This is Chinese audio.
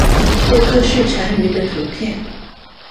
沃克氏蟾鱼的图片